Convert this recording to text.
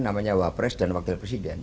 namanya wapres dan wakil presiden